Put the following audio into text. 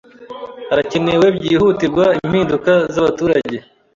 Harakenewe byihutirwa impinduka zabaturage.